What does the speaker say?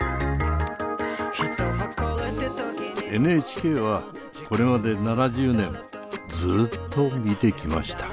ＮＨＫはこれまで７０年ずっと見てきました。